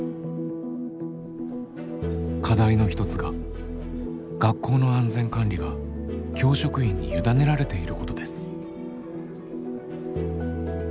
課題の一つが学校の安全管理が教職員に委ねられていることです。